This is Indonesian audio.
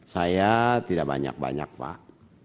saya tidak banyak banyak pak